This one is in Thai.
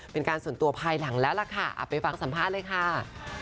เป็นการส่วนตัวภายหลังแล้วล่ะค่ะไปฟังสัมภาษณ์เลยค่ะ